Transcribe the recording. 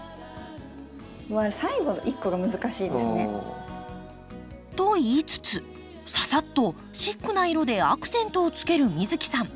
最後の一個が難しいですね。と言いつつささっとシックな色でアクセントをつける美月さん。